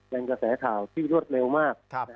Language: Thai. เป็นกระแสข่าวที่รวดเร็วมาก